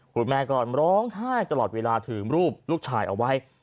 คุณแม่ก็ร้องไห้ตลอดเวลาถือรูปลูกชายเอาไว้